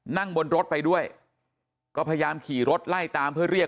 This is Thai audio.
นั่งบนรถไปด้วยก็พยายามขี่รถไล่ตามเพื่อเรียก